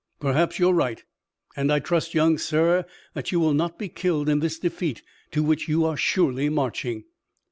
"Perhaps you're right, and I trust, young sir, that you will not be killed in this defeat to which you are surely marching."